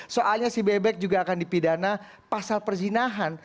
soalnya si bebek juga akan dipidana pasal perzinahan